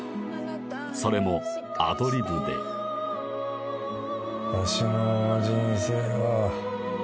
それもアドリブでワシの人生は。